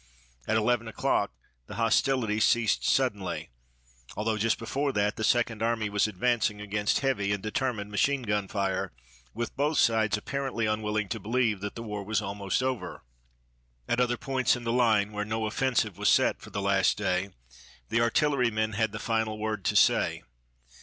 At eleven o'clock the hostilities ceased suddenly, although just before that the Second Army was advancing against heavy and determined machine gun fire, with both sides apparently unwilling to believe that the war was almost over. At other points in the line where no offensive was set for the last day, the artillerymen had the final word to say.